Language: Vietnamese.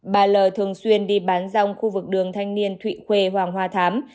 bà l thường xuyên đi bán dòng khu vực đường thanh niên thụy khuê hoàng hoa thám